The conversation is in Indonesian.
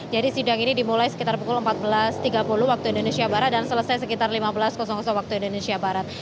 sidang ini dimulai sekitar pukul empat belas tiga puluh waktu indonesia barat dan selesai sekitar lima belas waktu indonesia barat